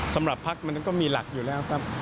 สำหรับพักมันก็มีหลักอยู่แล้วครับ